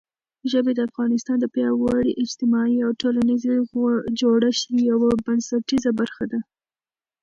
ژبې د افغانستان د پیاوړي اجتماعي او ټولنیز جوړښت یوه بنسټیزه برخه ده.